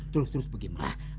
terus terus terus